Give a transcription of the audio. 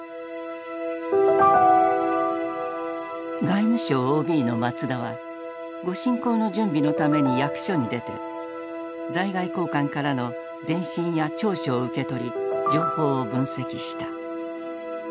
外務省ＯＢの松田は御進講の準備のために役所に出て在外公館からの電信や調書を受け取り情報を分析した。